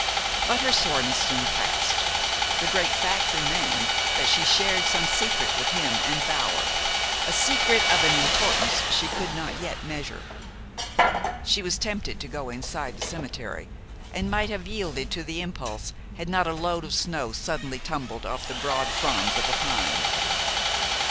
But her soreness soon passed. The great fact remained that she shared some secret with him and Bower, a secret of an importance she could not yet measure. She was tempted to go inside the cemetery, and might have yielded to the impulse had not a load of snow suddenly tumbled off the broad fronds of a pine.